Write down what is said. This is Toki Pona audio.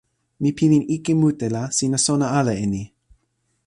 mi pilin ike mute la sina sona ala e ni.